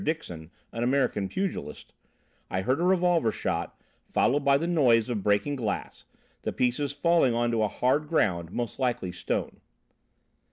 Dixon, an American pugilist, I heard a revolver shot followed by the noise of breaking glass, the pieces falling on to a hard ground, most likely stone.